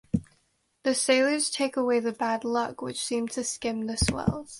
The sailors take away the bad luck which seemed to skim the swells.